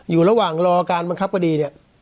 อยู่ระหว่างรอการบังคับคดีเนี่ย